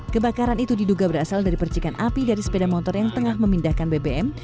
kebakaran itu diduga berasal dari percikan api dari sepeda motor yang tengah memindahkan bbm